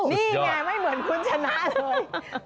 นี่ไงไม่เหมือนคุณชนะเลย